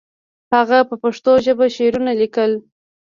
هغه په پښتو ژبه شعرونه لیکل.